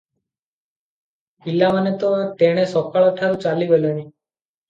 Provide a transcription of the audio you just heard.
ପିଲାମାନେ ତ ତେଣେ ସକାଳ ଟାରୁ ଚାଲିଗଲେଣି ।"